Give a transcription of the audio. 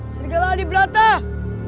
sergala di belakang